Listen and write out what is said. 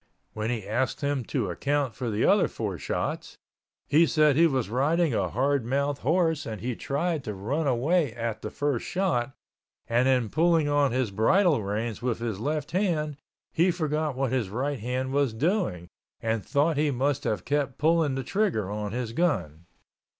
When he asked him to account for the other four shots, he said he was riding a hardmouth horse and he tried to run away at the first shot, and in pulling on his bridle reins with his left hand he forgot what his right hand was doing, and thought he must have kept pulling the trigger on his gun.